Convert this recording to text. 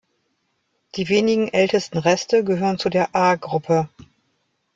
Die wenigen ältesten Reste gehören zu der A-Gruppe.